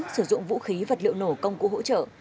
sử dụng vũ khí vật liệu nổ công cụ hỗ trợ